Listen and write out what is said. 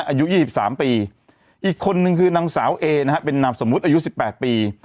อายุยี่สิบสามปีอีกคนนึงคือนางสาวเอนะฮะเป็นนามสมมติอายุสิบแปดปี